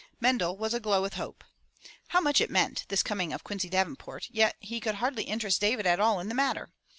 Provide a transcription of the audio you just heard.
Mendel was aglow with hope. How much it meant — this coming of Quincy Davenport, yet he could hardly interest David at all in the matter.